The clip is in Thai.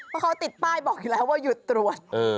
เพราะเขาติดป้ายบอกอยู่แล้วว่าหยุดตรวจ